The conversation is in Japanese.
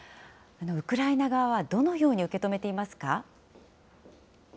ウクライナ側はどのように受け止めていますか？